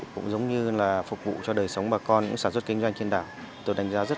cũng giống như là phục vụ cho đời sống bà con những sản xuất kinh doanh trên đảo